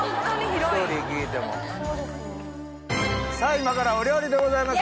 今からお料理でございます